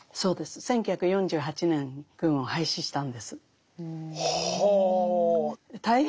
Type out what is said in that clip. １９４８年軍を廃止したんです。